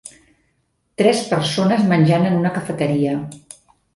Tres persones menjant en una cafeteria